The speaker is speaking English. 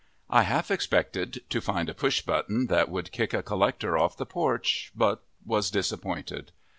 I half expected to find a push button that would kick a collector off the porch, but was disappointed.